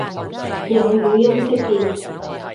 有語音識別